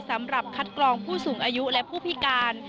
สำหรับคัดกรองผู้สูงอายุและผู้พิการ